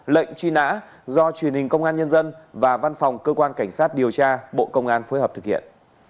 lệnh truy nã do truyền hình công an nhân dân và văn phòng cơ quan cảnh sát điều tra bộ công an phối hợp thực hiện